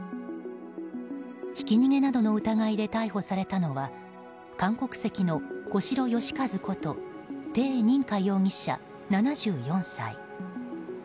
ひき逃げなどの疑いで逮捕されたのは韓国籍の固城義和ことテイ・ニンカ容疑者、７４歳。